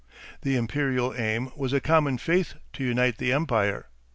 The imperial aim was a common faith to unite the empire.